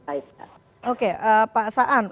baik oke pak sa'an